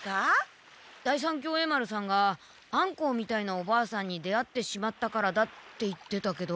第三協栄丸さんがアンコウみたいなおばあさんに出会ってしまったからだって言ってたけど。